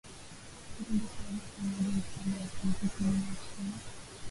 lile suali kama jeshi la Uturuki linaheshimu